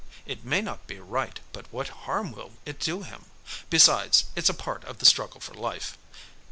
It may not be right but what harm will it do him? Besides, it's a part of the struggle for life."